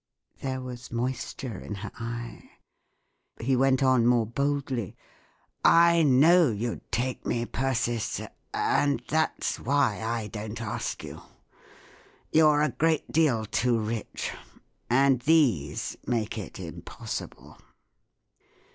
There was moisture in her eye. He went on more boldly: " I know you'd take me, Persis, and that's why I don't ask you. You Ye a great deal too rich, and these make it impos¬ sible."